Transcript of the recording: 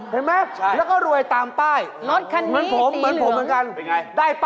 เห็นไหมแล้วก็รวยตามป้ายใช่